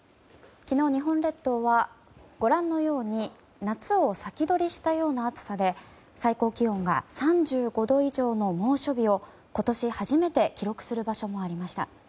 昨日、日本列島はご覧のように夏を先取りしたような暑さで最高気温が３５度以上の猛暑日を今年初めて記録する場所もありました。